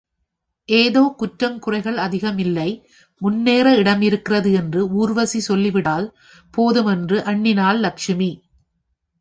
ஏதோ குற்றங்குறைகள் அதிகம் இல்லை, முன்னேற இடமிருக்கிறது என்று ஊர்வசி சொல்லிவிட்டால் போதும் என்று எண்ணினாள் லசஷ்மி.